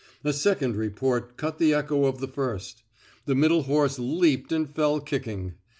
A second report cut the echo of the first. The middle horse leaped and fell kicking.